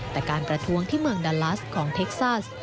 ปรากฏการประท้วงที่เมืองดาลาสตร์ของเท็กซ่าส์